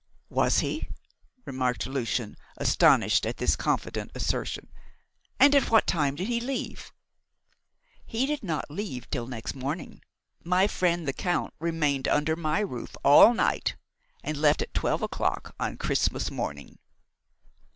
"Was he?" remarked Lucian, astonished at this confident assertion. "And at what time did he leave?" "He did not leave till next morning. My friend the Count remained under my roof all night, and left at twelve o'clock on Christmas morning."